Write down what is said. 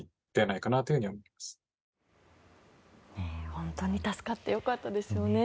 本当に助かってよかったですよね。